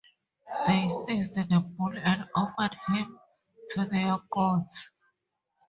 They seized the bull and offered him to their gods.